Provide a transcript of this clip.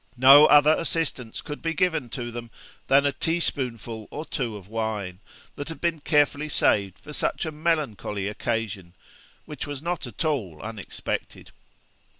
No other assistance could be given to them than a teaspoonful or two of wine, that had been carefully saved for such a melancholy occasion, which was not at all unexpected.